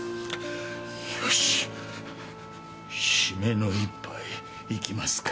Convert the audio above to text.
よし締めの一杯いきますか。